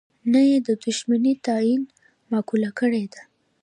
نه یې د دوښمنی تعین معقوله کړې ده.